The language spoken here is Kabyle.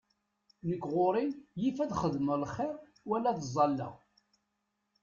Nek ɣur-i yif ad xedmeɣ lxiṛ wala ad ẓalleɣ.